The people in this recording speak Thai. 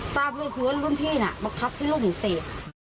ตราบร่วมคือว่ารุ่นพี่น่ะมักพักให้ร่วมหนูเสพ